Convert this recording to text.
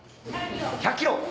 １００キロ！